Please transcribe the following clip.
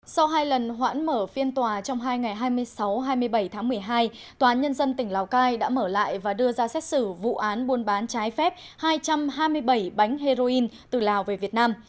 sau hai lần hoãn mở phiên tòa trong hai ngày hai mươi sáu hai mươi bảy tháng một mươi hai tòa nhân dân tỉnh lào cai đã mở lại và đưa ra xét xử vụ án buôn bán trái phép hai trăm hai mươi bảy bánh heroin từ lào về việt nam